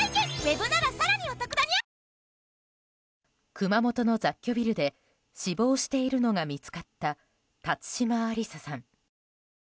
熊本の雑居ビルで死亡しているのが見つかった辰島ありささん。